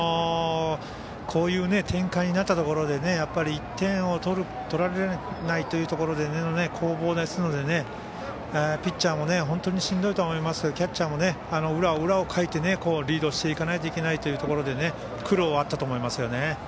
こういう展開になったところで１点を取る、取られないというところでの攻防ですのでピッチャーも本当にしんどいと思いますがキャッチャーも裏を裏をかいてリードしないといけないところで苦労はあったと思いますね。